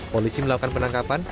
polisi melakukan penangkapan